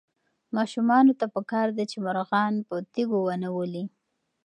ماشومانو ته پکار ده چې مرغان په تیږو ونه ولي.